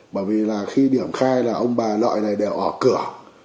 bởi vì là khi điểm khai là ông bà lợi này đều ở cửa